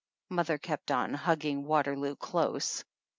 Mother kept on, hugging Waterloo close.